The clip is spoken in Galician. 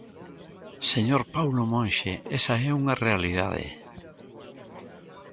Señor Paulo Monxe, esa é unha realidade.